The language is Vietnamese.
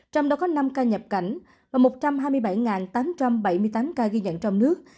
trong đó có năm ca nhập cảnh và một trăm hai mươi bảy tám trăm bảy mươi tám ca ghi nhận trong nước